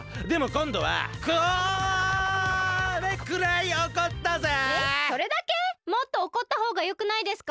こんどはこれくらいおこったぜ！